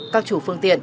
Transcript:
các chủ phương tiện